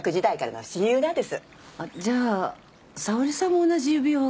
じゃあ沙織さんも同じ指輪を？